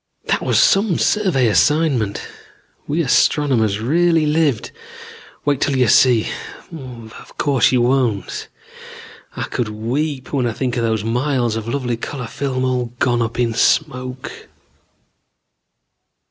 "That was some survey assignment. We astronomers really lived. Wait till you see but of course you won't. I could weep when I think of those miles of lovely color film, all gone up in smoke.